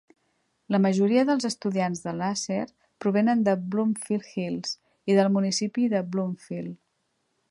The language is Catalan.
La majoria dels estudiants de Lahser provenen de Bloomfield Hills i del municipi de Bloomfield.